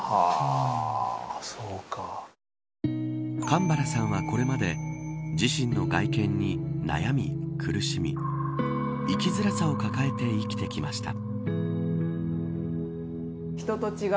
神原さんはこれまで自身の外見に悩み苦しみ生きづらさを抱えて生きてきました。